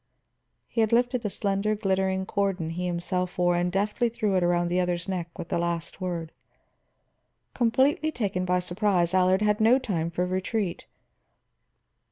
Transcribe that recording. He had lifted a slender, glittering cordon he himself wore, and deftly threw it around the other's neck with the last word. Completely taken by surprise, Allard had no time for retreat.